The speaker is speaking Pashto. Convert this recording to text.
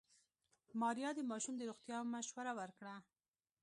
ماريا د ماشوم د روغتيا مشوره ورکړه.